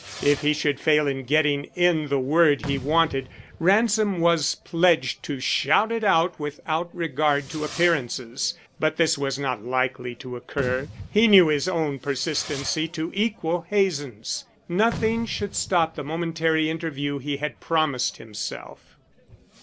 If he should fail in getting in the word he wanted, Ransom was pledged to shout it out without regard to appearances. But this was not likely to occur. He knew his own persistency to equal Hazen's. Nothing should stop the momentary interview he had promised himself.